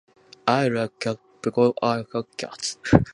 I like cats. Because I have cats.